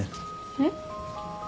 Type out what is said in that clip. えっ？